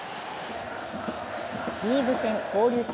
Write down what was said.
リーグ戦、交流戦